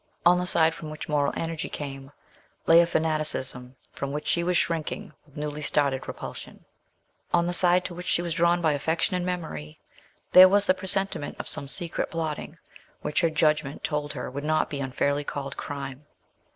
On the side from which moral energy came lay a fanaticism from which she was shrinking with newly startled repulsion; on the side to which she was drawn by affection and memory, there was the presentiment of some secret plotting, which her judgment told her would not be unfairly called crime.